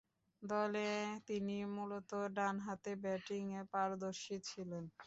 দলে তিনি মূলতঃ ডানহাতে ব্যাটিংয়ে পারদর্শী ছিলেন।